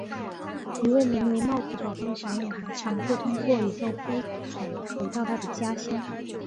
一位名为帽子宝宝的小女孩尝试通过宇宙飞船回到她的家乡。